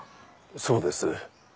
そうです。